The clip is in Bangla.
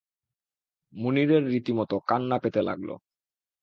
মুনিরের রীতিমতো কান্না পেতে লাগল।